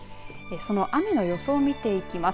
その雨の予想を見ていきます。